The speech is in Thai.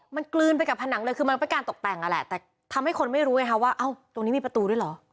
มันกลืนไปกับผนังเลยคือมันเป็นการตกแต่งนั่นแหละแต่ทำให้คนไม่รู้ไงคะว่าเอ้าตรงนี้มีประตูด้วยเหรอ